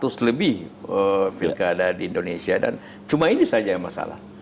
seratus lebih pilkada di indonesia dan cuma ini saja yang masalah